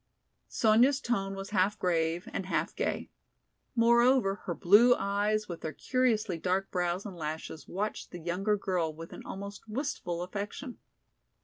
Sonya's tone was half grave and half gay. Moreover, her blue eyes with their curiously dark brows and lashes watched the younger girl with an almost wistful affection.